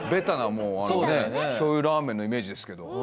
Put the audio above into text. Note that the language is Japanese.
もうあのね醤油ラーメンのイメージですけど。